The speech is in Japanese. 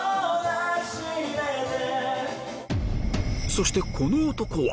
そしてこの男は？